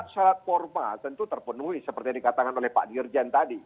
syarat formal tentu terpenuhi seperti yang dikatakan oleh pak dirjen tadi